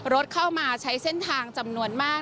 รถเข้ามาใช้เส้นทางจำนวนมาก